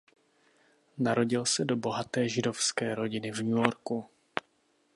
Narodil se do bohaté židovské rodiny v New Yorku.